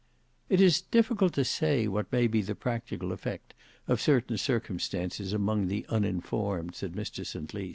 "It is difficult to ascertain what may be the practical effect of certain circumstances among the uninformed," said Mr St Lys.